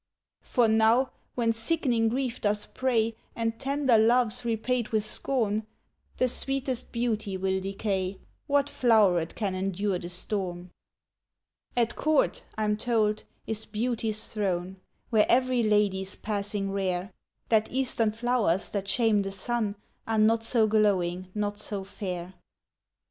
"For know, when sick'ning grief doth prey, And tender love's repaid with scorn, The sweetest beauty will decay, What floweret can endure the storm? "At court, I'm told, is beauty's throne, Where every lady's passing rare, That Eastern flowers, that shame the sun, Are not so glowing, not so fair.